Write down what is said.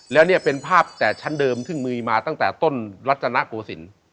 แล้วเนี่ยเป็นภาพแต่ชั้นเดิมซึ่งมีมาตั้งแต่ต้นรัตนโกศิลป์